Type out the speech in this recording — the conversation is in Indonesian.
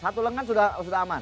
satu lengan sudah aman